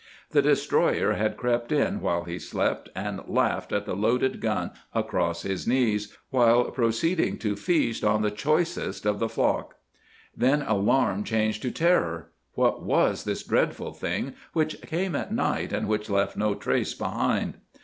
The destroyer had crept in while he slept and laughed at the loaded gun across his knees, while proceeding to feast on the choicest of his flock. Then alarm changed to terror. What was this dreadful thing which came at night and which left no trace behind?